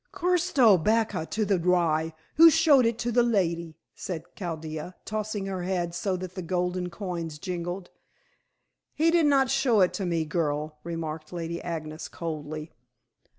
"Kushto bak to the rye, who showed it to the lady," said Chaldea, tossing her head so that the golden coins jingled. "He did not show it to me, girl," remarked Lady Agnes coldly.